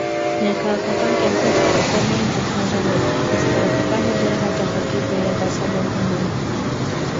Ներքաղաքական կյանքում ստեղծվել էին ճգնաժամեր, իսկ քաղաքական ուժերը հաճախակի վերադասավորվում էին։